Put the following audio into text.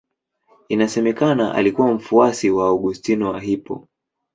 Inasemekana pia alikuwa mfuasi wa Augustino wa Hippo.